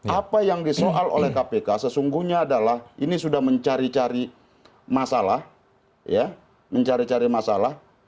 apa yang disoal oleh kpk sesungguhnya adalah ini sudah mencari cari masalah ya mencari cari masalah